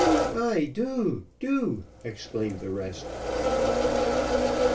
"Ay, do, do!" exclaimed the rest.